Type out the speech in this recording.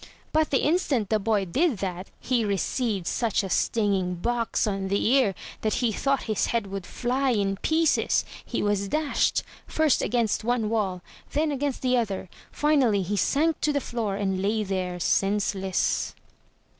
But the instant the boy did that he received such a stinging box on the ear that he thought his head would fly in pieces. He was dashed — first against one wall, then against the other; finally he sank to the floor, and lay there — ^senseless.